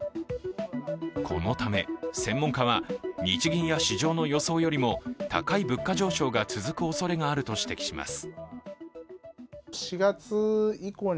このため専門家は、日銀や市場の予想よりも高い物価上昇が続くおそれがあると指摘します。